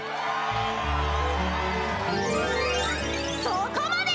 そこまで！